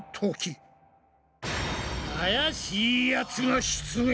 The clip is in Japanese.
怪しいやつが出現！